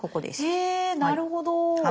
へなるほど。